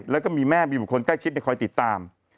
แล้วก็มีแม่มีบุคคลใกล้ชิดในคอยติดตาม